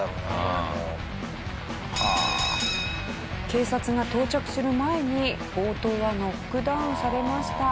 警察が到着する前に強盗はノックダウンされました。